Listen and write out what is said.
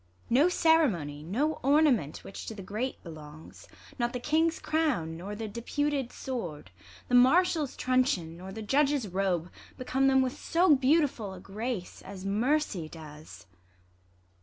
No ceremony, No ornament which to the great belongs ; Not the King's crown, nor the deputed sword, The martial's truncheon, nor the judge's robe, Become tliem w. th so beautiful a grace As mercy does.